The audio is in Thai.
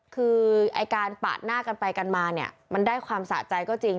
คือไอ้การปาดหน้ากันไปกันมาเนี่ยมันได้ความสะใจก็จริง